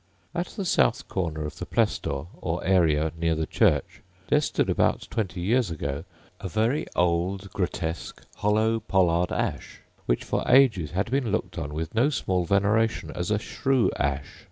At the south corner of the Plestor, or area, near the church, there stood, about twenty years ago, a very old grotesque hollow pollard ash, which for ages had been looked on with no small veneration as a shrew ash.